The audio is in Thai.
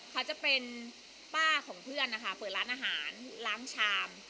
เค้าจะเป็นป้าของเพื่อน